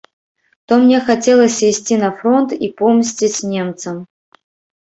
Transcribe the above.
То мне хацелася ісці на фронт і помсціць немцам.